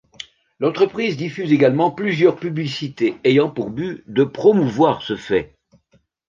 L'entreprise diffuse également plusieurs publicités ayant pour but de promouvoir ce fait.